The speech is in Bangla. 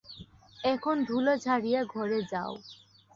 এখন ধূলা ঝাড়িয়া ঘরে যাও।